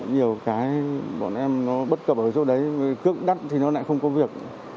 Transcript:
nhiều cái bọn em nó bất cập ở chỗ đấy cưỡng đắt thì nó lại không có việc